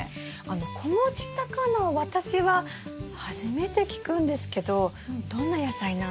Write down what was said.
子持ちタカナは私は初めて聞くんですけどどんな野菜なんですか？